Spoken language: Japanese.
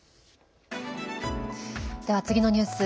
では、次のニュース